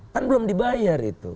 kan belum dibayar itu